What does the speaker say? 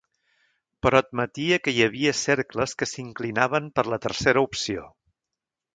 Però admetia que hi havia cercles que s’inclinaven per la tercera opció.